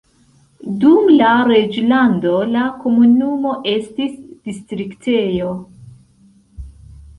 Dum la reĝlando la komunumo estis distriktejo.